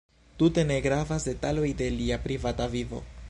Tute ne gravas detaloj de lia privata vivo.